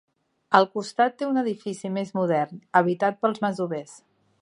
Al costat té un edifici més modern, habitat pels masovers.